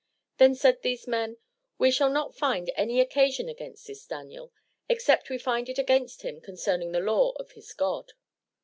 Then said these men, We shall not find any occasion against this Daniel, except we find it against him concerning the law of his God."